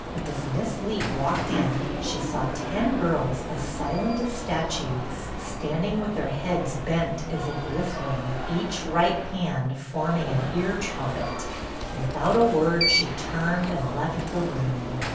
As Miss Leet walked in she saw ten girls as silent as statues, standing with heads bent as if listening, each right hand forming an ear trumpet. Without a word she turned and left the room.